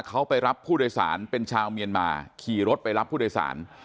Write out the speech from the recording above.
เขาไปรับผู้โดยสารเป็นชาวเมียนมาขี่รถไปรับผู้โดยสาร